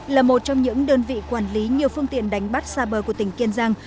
là một trong những đơn vị quản lý nhiều phương tiện đánh bắt xa bờ của tỉnh kiên giang